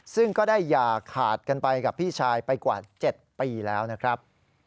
ซึ่งก็ได้อย่าขาดกันไปกับพี่ชายไปกว่า๗ปีแล้วนะครับ